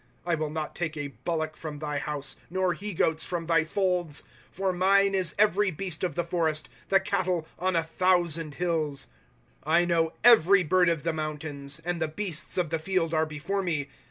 8 I will not take a bullock from thy house. Nor he goats from thy folds. ^0 For mine is every beast of the forest, The cattle on a thousand hills. " I know every bird of the mountains, And the beasts of the field are before me.